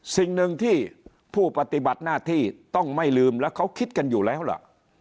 สิ่งหนึ่งที่ผู้ปฏิบัติหน้าที่ต้องไม่ลืมแล้วเขาคิดกันอยู่แล้วล่ะ